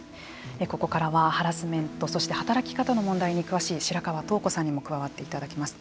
ここからはハラスメントそして働き方の問題に詳しい白河桃子さんにも加わっていただきます。